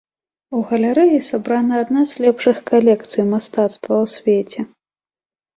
У галерэі сабрана адна з лепшых калекцый мастацтва ў свеце.